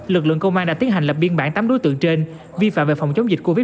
lực lượng công an đã tiến hành lập biên bản tám đối tượng trên vi phạm về phòng chống dịch covid một mươi